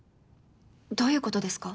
どういうことですか？